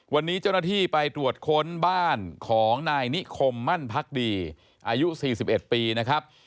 วันนี้เจ้าหน้าที่ไปตรวจค้นบ้านของนายนิคมมั่นพักดีอายุ๔๑ปีนะครับ